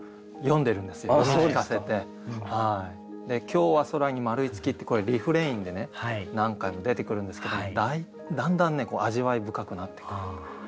「きょうはそらにまるいつき」ってこれリフレインでね何回も出てくるんですけどだんだんね味わい深くなってくる。